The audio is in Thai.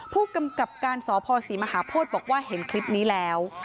ผู้กำกับการสพศรีมหาโพธิบอกว่าเห็นคลิปนี้แล้ว